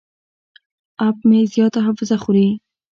اپ مې زیاته حافظه خوري.